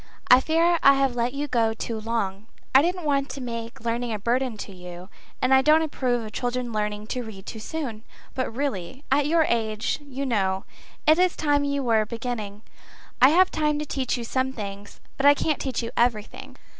I fear I have let you go too long. I didn't want to make learning a burden to you, and I don't approve of children learning to read too soon; but really, at your age, you know, it is time you were beginning. I have time to teach you some things, but I can't teach you everything.